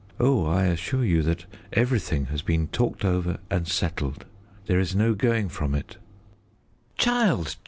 Oh, I assure you that everything has been talked over and settled. There is no going from it." "Child!